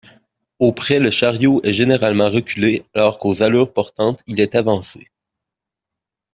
Au près le chariot est généralement reculé alors qu'aux allures portantes il est avancé.